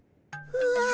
うわ。